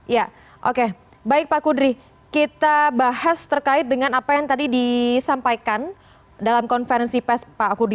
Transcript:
ya oke baik pak kudri kita bahas terkait dengan apa yang tadi disampaikan dalam konferensi pes pak kudri